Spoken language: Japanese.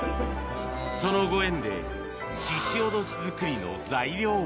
そのご縁で、ししおどし作りの材料を。